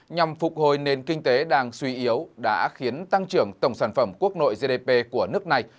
nhằm phục hồi nền kinh tế đang suy yếu đã khiến tăng trưởng tổng sản phẩm quốc nội gdp của nước này